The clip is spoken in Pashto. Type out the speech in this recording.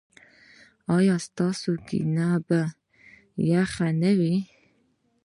ایا ستاسو کینه به یخه نه وي؟